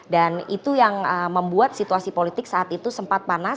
dan itu yang membuat situasi politik saat itu sempat panas